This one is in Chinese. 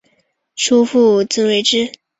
叔父瞿兑之。